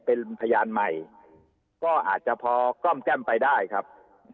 เป็นพยานใหม่ก็อาจจะพอกล้อมแก้มไปได้ครับ